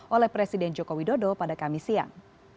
oleh presiden joko widodo pada kamis siang